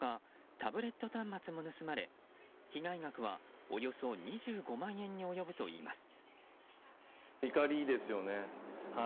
タブレット端末も盗まれ被害額はおよそ２５万円に及ぶといいます。